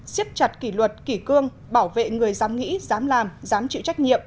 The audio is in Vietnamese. xiết chặt kỷ luật kỷ cương bảo vệ người dám nghĩ dám làm dám chịu trách nhiệm